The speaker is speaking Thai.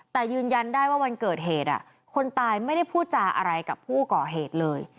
แต่ยืนยันได้ว่าวันเกิดเหตุคนตายไม่ได้พูดจาอะไรกับผู้ก่อเหตุเลย